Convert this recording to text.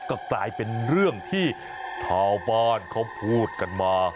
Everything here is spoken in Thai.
ก็กลายเป็นเรื่องที่ชาวบ้านเขาพูดกันมา